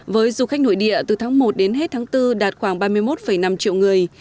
với du khách nội địa từ tháng một đến hết tháng bốn đạt khoảng ba mươi một năm triệu người